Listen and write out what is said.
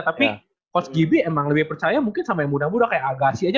tapi coach gibi emang lebih percaya mungkin sama yang muda muda kayak agassi aja